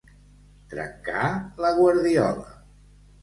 Trencar la guardiola.